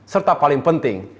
serta paling penting